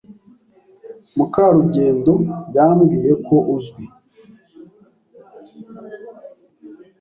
Mukarugendo yambwiye ko uzwi.